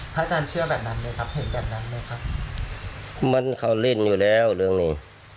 อาจารย์เชื่อแบบนั้นไหมครับเห็นแบบนั้นไหมครับเหมือนเขาเล่นอยู่แล้วเรื่องนี้